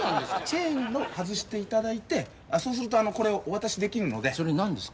チェーンを外していただいてそうするとこれをお渡しできるのでそれ何ですか？